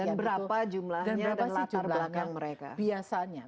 dan berapa jumlahnya dan latar belakang mereka